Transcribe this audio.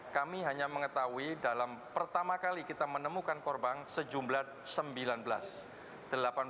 kami hanya mengetahui dalam pertama kali kita menemukan korban sejumlah sembilan belas